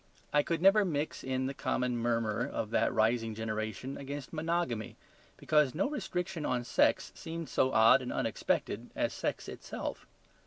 I could never mix in the common murmur of that rising generation against monogamy, because no restriction on sex seemed so odd and unexpected as sex itself.